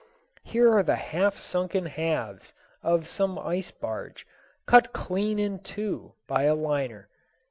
Here are the half sunken halves of some ice barge, cut clean in two by a liner.